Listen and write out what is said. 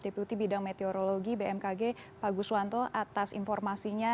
deputi bidang meteorologi bmkg pak guswanto atas informasinya